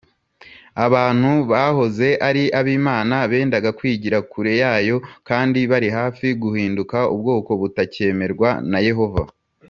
abantu bahoze ari ab’imana bendaga kwigira kure yayo, kandi bari hafi guhinduka ubwoko butacyemerwa na yehova